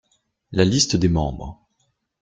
La liste des membres.